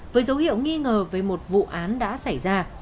với dấu hiệu nghi ngờ về một vụ án đã xảy ra